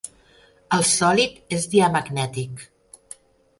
El sòlid és diamagnètic.